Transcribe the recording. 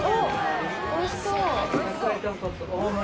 おいしそう！